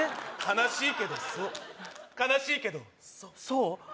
悲しいけどそう悲しいけどそうそう？